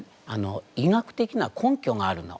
医学的な根拠があるの。